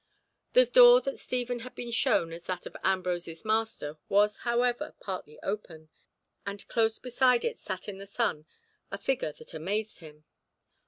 The door that Stephen had been shown as that of Ambrose's master was, however, partly open, and close beside it sat in the sun a figure that amazed him.